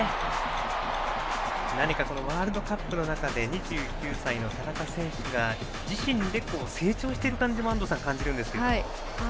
ワールドカップの中で２９歳の田中選手が自身で成長している感じも安藤さん、感じるんですが。